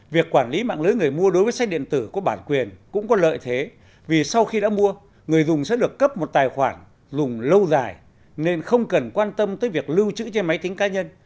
việc quản lý mạng lưới người mua đối với sách điện tử có bản quyền cũng có lợi thế vì sau khi đã mua người dùng sẽ được cấp một tài khoản dùng lâu dài nên không cần quan tâm tới việc lưu trữ trên máy tính cá nhân